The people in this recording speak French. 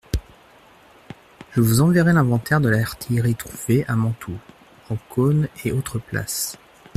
Je vous enverrai l'inventaire de l'artillerie trouvée à Mantoue, Ancône et autres places.